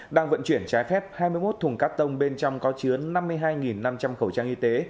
đang vận chuyển trái phép hai mươi một thùng cắt tông bên trong có chứa năm mươi hai năm trăm linh khẩu trang y tế